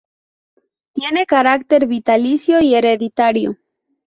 Tiene carácter vitalicio y hereditario.